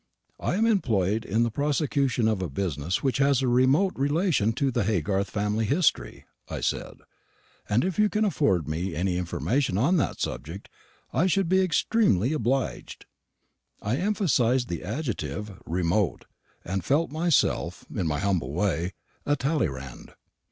"I am employed in the prosecution of a business which has a remote relation to the Haygarth family history," I said; "and if you can afford me any information on that subject I should be extremely obliged." I emphasised the adjective "remote," and felt myself, in my humble way, a Talleyrand.